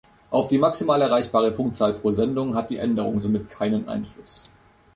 Auf die maximal erreichbare Punktzahl pro Sendung hat die Änderung somit keinen Einfluss.